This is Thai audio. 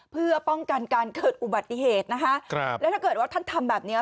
เพื่อป้องกันการเกิดอุบัติเหตุนะคะครับแล้วถ้าเกิดว่าท่านทำแบบเนี้ย